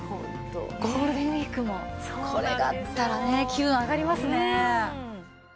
ゴールデンウィークもこれがあったらね気分上がりますね。